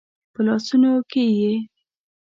په لاسونو کې یې